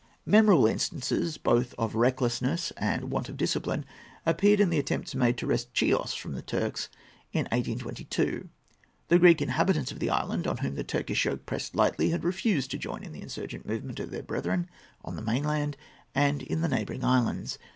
Memorable instances both of recklessness and of want of discipline appeared in the attempts made to wrest Chios from the Turks in 1822. The Greek inhabitants of this island, on whom the Turkish yoke pressed lightly, had refused to join in the insurgent movement of their brethren on the mainland and in the neighbouring islands.